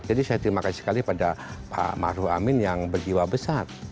jadi saya terima kasih sekali pada pak maruf amin yang berjiwa besar